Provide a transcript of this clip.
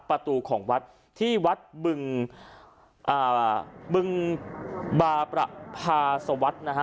ประตูของวัดที่วัดบึงอ่าบึงบาประพาสวัสดิ์นะฮะ